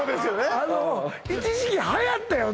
あの一時期はやったよね？